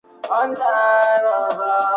El estilo, minucioso, es cercano al gótico.